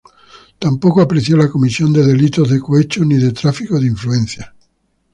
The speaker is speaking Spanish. Tampoco apreció la comisión de delitos de cohecho ni de tráfico de influencias.